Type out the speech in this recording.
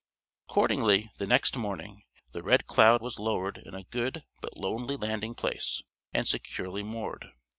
Accordingly, the next morning, the Red Cloud was lowered in a good but lonely landing place, and securely moored.